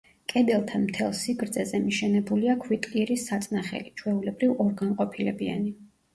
კედელთან მთელს სიგრძეზე მიშენებულია ქვიტკირის საწნახელი, ჩვეულებრივ ორგანყოფილებიანი.